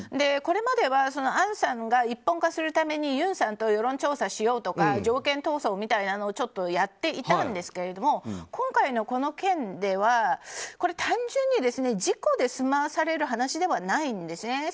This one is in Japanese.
これまではアンさんが一本化するためにユンさんと世論調査しようとか条件闘争みたいなのをちょっとやっていたんですが今回のこの件では単純に事故で済まされる話ではないんですね。